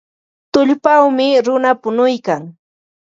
Tullpawmi runa punuykan.